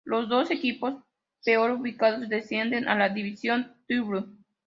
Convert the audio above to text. Los dos equipos peor ubicados descienden a la Division Two.